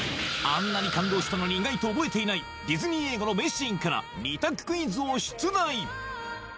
あんなに感動したのに意外と覚えていないディズニー映画の名シーンから２択クイズを出題